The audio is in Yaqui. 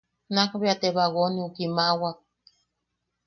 Nakbea te bagoneu kimaʼawak.